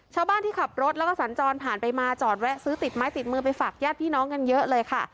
ชาวบ้านที่ขับรถแล้วก็สัญจรผ่านไปมาจอดแวะซื้อติดไม้ติดมือไปฝากญาติพี่น้องกันเยอะเลยค่ะ